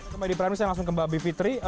sampai di pramir saya langsung ke mbak bivitri